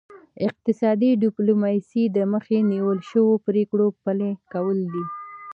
اقتصادي ډیپلوماسي د مخکې نیول شوو پریکړو پلي کول دي